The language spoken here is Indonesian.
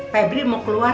febri mau keluar